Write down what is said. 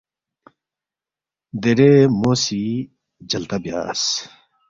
دیرے مو سی جلتہ بیاس،